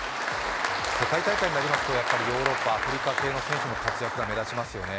世界大会になりますと、やっぱりヨーロッパ、アフリカ系の選手の活躍が目立ちますよね。